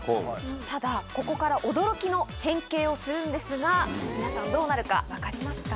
ただここから驚きの変形をするんですが皆さんどうなるか分かりますか？